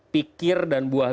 pikir dan buah